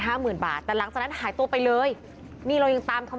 หมื่นบาทแต่หลังจากนั้นหายตัวไปเลยนี่เรายังตามเขา